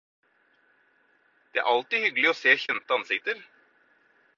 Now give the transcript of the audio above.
Det er alltid hyggelig å se kjente ansikter.